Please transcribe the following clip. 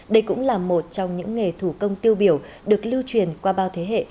đây cũng là một trong những nghề thủ công tiêu biểu được lưu truyền qua bao thế hệ